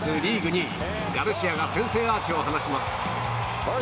２位ガルシアが先制アーチを放ちます。